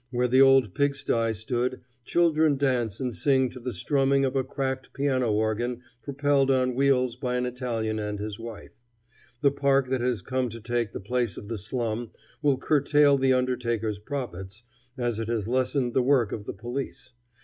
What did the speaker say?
Where the old pigsty stood, children dance and sing to the strumming of a cracked piano organ propelled on wheels by an Italian and his wife. The park that has come to take the place of the slum will curtail the undertaker's profits, as it has lessened the work of the police.